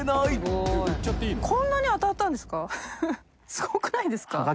すごくないですか？